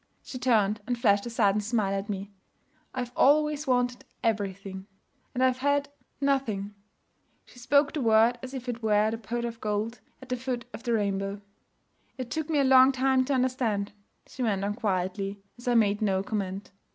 She turned and flashed a sudden smile at me. 'I've always wanted everything, and I've had nothing.' She spoke the word as if it were the pot of gold at the foot of the rainbow. 'It took me a long time to understand,' she went on quietly, as I made no comment.